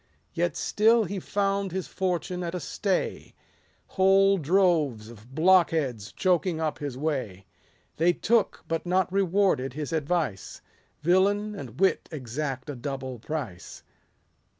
Yet still he found his fortune at a stay; "Whole droves of blockheads choking up his way ; They took, but not rewarded, his advice ; Villain and wit exact a double price.